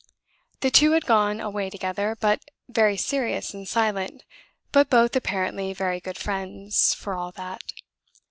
The two had gone away together, both very serious and silent, but both, apparently, very good friends, for all that.